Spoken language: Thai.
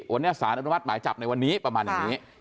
วันนี้สารอนุมัติหมายจับในวันนี้ประมาณอย่างนี้